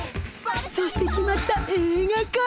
そして決まった映画化！